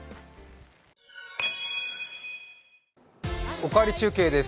「おかわり中継」です。